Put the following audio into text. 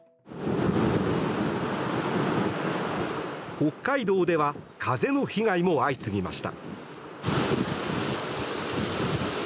北海道では風の被害も相次ぎました。